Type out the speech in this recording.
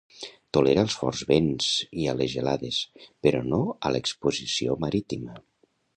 Tolera els forts vents i a les gelades, però no a l'exposició marítima.